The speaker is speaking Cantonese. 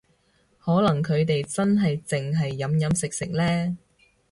可能佢哋真係淨係飲飲食食呢